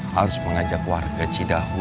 harus mengajak warga cidahu